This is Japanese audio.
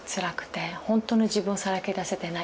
ほんとの自分をさらけ出せてない。